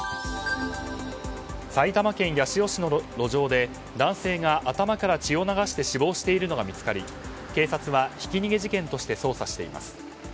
埼玉県八潮市の路上で男性が頭から血を流して死亡しているのが見つかり警察はひき逃げ事件として捜査しています。